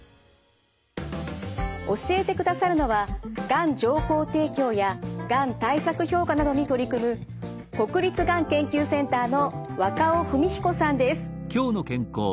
教えてくださるのはがん情報提供やがん対策評価などに取り組む国立がん研究センターの若尾文彦さんです。